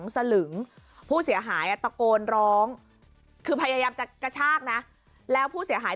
สลึงผู้เสียหายตะโกนร้องคือพยายามจะกระชากนะแล้วผู้เสียหาย